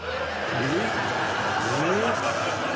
「えっ？」